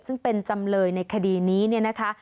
ซึ่งเป็นจำเลยในคดีนี้เนี่ยนะคะ